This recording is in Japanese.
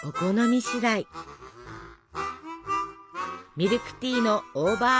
ミルクティーのオーバー